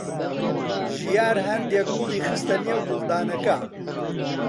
ژیار هەندێک گوڵی خستە نێو گوڵدانەکە.